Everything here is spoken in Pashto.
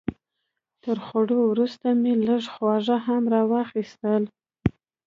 تر خوړو وروسته مې لږ خواږه هم راواخیستل.